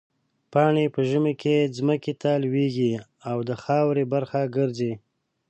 پاڼې په ژمي کې ځمکې ته لوېږي او د خاورې برخه ګرځي.